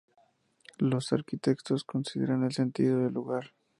Los arquitectos consideran "el sentido del lugar".